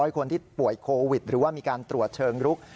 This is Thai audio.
คนที่ป่วยโควิดหรือว่ามีการตรวจเชิงรุก